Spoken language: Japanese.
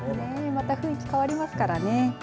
また雰囲気変わりますからね。